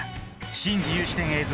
シン・自由視点映像